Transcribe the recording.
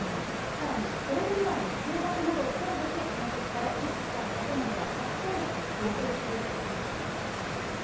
さらに、ソ連時代に空爆などを考慮し建設され、いくつかの建物は核攻撃も想定していると話しています。